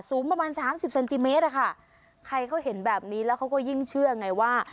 สูงประมาณสามสิบเซนติเมตรอะค่ะใครเขาเห็นแบบนี้แล้วเขาก็ยิ่งเชื่อไงว่า